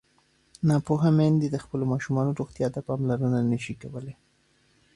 ناپوهه میندې د خپلو ماشومانو روغتیا ته پاملرنه نه شي کولی.